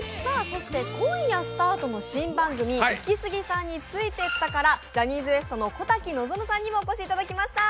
そして今夜スタートの新番組「イキスギさんについてった」からジャニーズＷＥＳＴの小瀧望さんにもお越しいただきました。